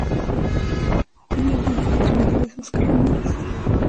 Hoy en día el entrenador es Óscar Ramírez.